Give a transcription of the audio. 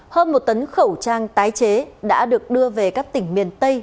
hơn một tấn khẩu trang tái chế đã được đưa về các tỉnh miền tây